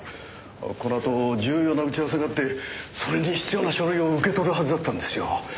このあと重要な打ち合わせがあってそれに必要な書類を受け取るはずだったんですよ。